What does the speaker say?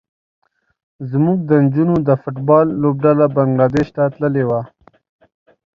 زموږ د نجونو د فټ بال لوبډله بنګلادیش ته تللې وه.